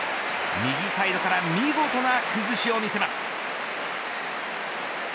右サイドから見事な崩しを見せます。